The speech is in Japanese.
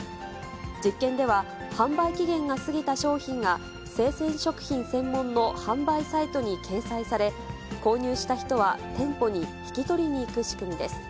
実験では販売期限が過ぎた商品が、生鮮食品専門の販売サイトに掲載され、購入した人は店舗に引き取りに行く仕組みです。